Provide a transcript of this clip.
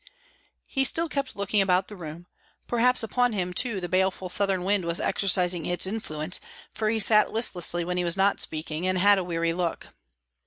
He still kept looking about the room. Perhaps upon him too the baleful southern wind was exercising its influence, for he sat listlessly when he was not speaking, and had a weary look.